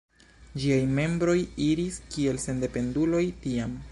Ĝiaj membroj iris kiel sendependuloj tiam.